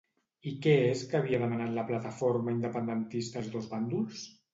I què és que havia demanat la plataforma independentista als dos bàndols?